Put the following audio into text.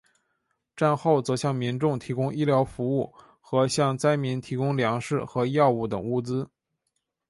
战后则向民众提供医疗服务和向灾民提供粮食和药物等物资。